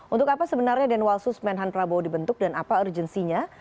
untuk apa sebenarnya denwalsus menhan prabowo dibentuk dan apa urgensinya